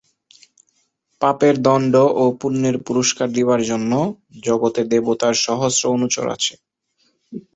পাপের দণ্ড ও পুণ্যের পুরস্কার দিবার জন্য জগতে দেবতার সহস্র অনুচর আছে।